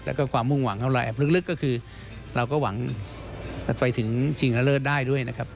แล้วก็ความมุ่งหวังของเราแอบลึกก็คือเราก็หวังไปถึงชิงละเลิศได้ด้วยนะครับ